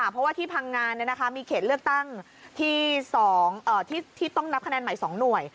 เพราะว่าที่พังงานมีเขตเลือกตั้งที่ต้องนับคะแนนใหม่๒หน่วย